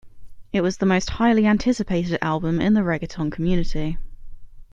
It was the most highly anticipated album in the reggaeton community.